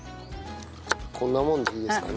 こんなものでいいですかね？